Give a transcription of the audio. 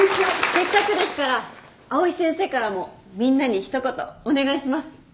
せっかくですから藍井先生からもみんなに一言お願いします。